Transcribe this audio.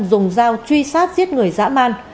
dùng dao truy sát giết người dã man